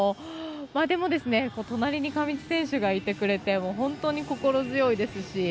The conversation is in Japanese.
でも、隣に上地選手がいてくれて本当に心強いですし。